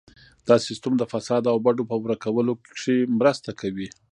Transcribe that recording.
دا سیستم د فساد او بډو په ورکولو کې مرسته کوي.